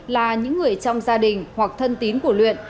là những người trong gia đình hoặc thân tín của luyện